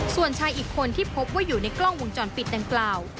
ส่วนชายอีกคนที่พบว่าอยู่ในกล้องวงจรปิดดังกล่าว